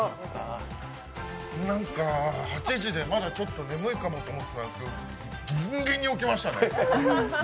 なんか８時でまだちょっと眠いかもって思ってたんですけどギンギンに起きましたね。